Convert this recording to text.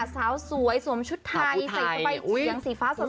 สาวสวยสวมชุดไทยใส่เข้าไปอย่างสีฟ้าสวรรค์